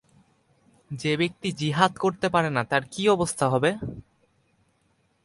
যে ব্যক্তি জিহাদ করতে পারে না তার কী অবস্থা হবে?